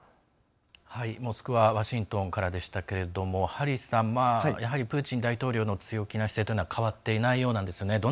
モスクワワシントンからでしたけれどもハリーさん、やはりプーチン大統領の強気な姿勢というのは変わっていないようなんですね。